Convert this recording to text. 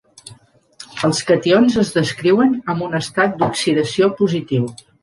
Els cations es descriuen amb un estat d'oxidació positiu.